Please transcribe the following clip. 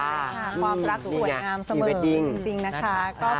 ความรักสวยงามเสมอจริงนะคะ